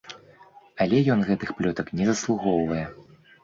Але ён гэтых плётак не заслугоўвае.